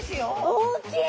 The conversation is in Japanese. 大きい！